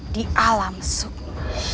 di alam suku